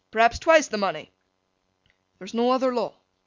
'Perhaps twice the money.' 'There's no other law?